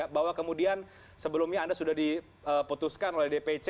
bahwa kemudian sebelumnya anda sudah diputuskan oleh dpc